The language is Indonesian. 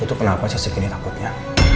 itu kenapa saya segini takutnya